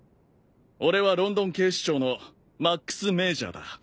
俺はロンドン警視庁のマックスメージャーだ。